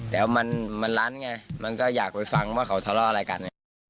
แล้วมันลั้นไงมันก็อยากไปฟังว่าเขาทะเลาะอะไรกันไง